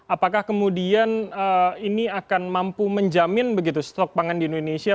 apakah kemudian ini akan mampu menjamin begitu stok pangan di indonesia